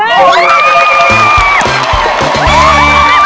เยี่ยมใจ